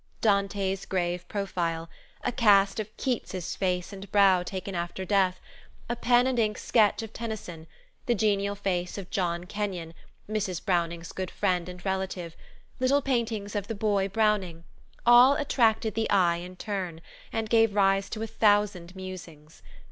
Dante's grave profile, a cast of Keats' face and brow taken after death, a pen and ink sketch of Tennyson, the genial face of John Kenyon, Mrs. Browning's good friend and relative, little paintings of the boy Browning, all attracted the eye in turn, and gave rise to a thousand musings.